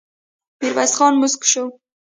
ميرويس خان موسک شو.